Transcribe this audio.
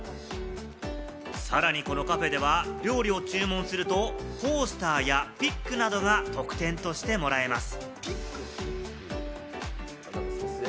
さらにこのカフェでは、料理を注文するとコースターやピックなどが特典としてもらえます。